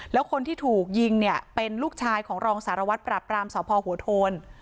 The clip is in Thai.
แล้วคนที่ถูกยิงเนี่ยเป็นลูกชายของรองสารวัตรปราบรามสพหัวโทน